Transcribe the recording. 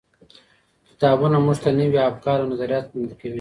کتابونه موږ ته نوي افکار او نظریات وړاندې کوي.